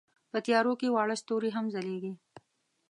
په تیارو کې واړه ستوري هم ځلېږي.